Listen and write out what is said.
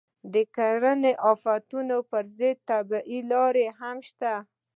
د کرنیزو آفتونو پر ضد طبیعي لارې هم شته دي.